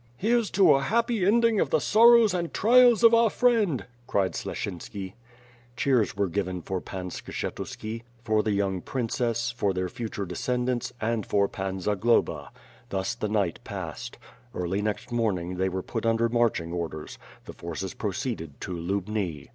"Here's to a happy ending of the sorrows and trials of our friend," cried Sleshinski. Cheers were given for Pani Skshetuski, for the young prin cess, for their future descendants, and for Pan Zagloba. Thus the night passed. Early next morning, they were put under marching orders — the forces proceeded to Lubni.